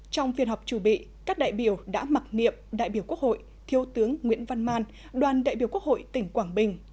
trong phiên họp chủ bị các đại biểu đã mặc niệm đại biểu quốc hội thiếu tướng nguyễn văn man đoàn đại biểu quốc hội tỉnh quảng bình